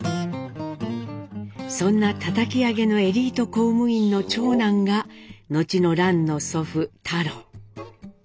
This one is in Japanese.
そんなたたき上げのエリート公務員の長男が後の蘭の祖父太郎。